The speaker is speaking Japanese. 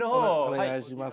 お願いします。